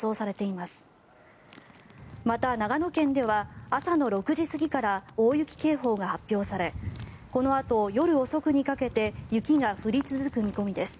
また、長野県では朝の６時過ぎから大雪警報が発表されこのあと夜遅にかけて雪が降り続く見込みです。